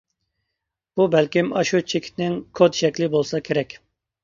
بۇ بەلكىم ئاشۇ چېكىتنىڭ كود شەكلى بولسا كېرەك.